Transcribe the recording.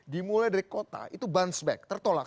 dimulai dari kota itu bounce back tertolak